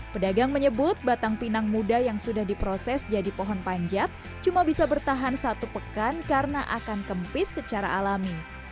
pedagang menyebut batang pinang muda yang sudah diproses jadi pohon panjat cuma bisa bertahan satu pekan karena akan kempis secara alami